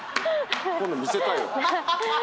今度見せたいわ。